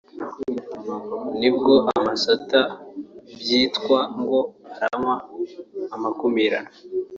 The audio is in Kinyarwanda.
nibwo amasata byitwa ngo “aranywa amakumirano “